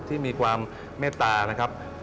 ที่มีความเมตตานะครับ